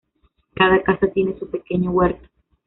Cada casa tiene su pequeño huerto.